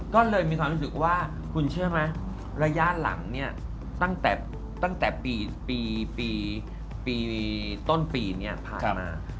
ก็เลยมีความรู้สึกว่าคุณเชื่อไหมระยะหลังเนี่ยตั้งแต่ปีต้นปีเนี่ยผ่านมา